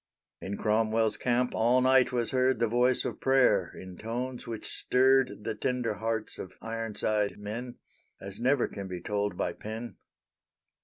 In Cromwell's camp all night was heard The voice of prayer in tones which stirred The tender hearts of "Ironside" men, As never can be told by pen.